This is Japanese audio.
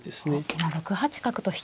今６八角と引きました。